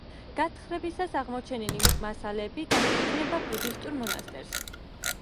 გათხრებისას აღმოჩენილი მასალები განეკუთვნება ბუდისტურ მონასტერს.